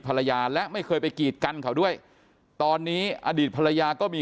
ภรรยาและไม่เคยไปกีดกันเขาด้วยตอนนี้อดีตภรรยาก็มี